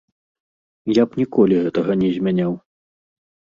Я б ніколі гэтага не змяняў.